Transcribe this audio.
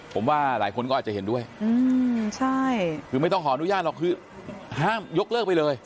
ผมว่าหลายคนก็อาจจะเห็นด้วยใช่คือไม่ต้องขออนุญาตหรอกคือห้ามยกเลิกไปเลย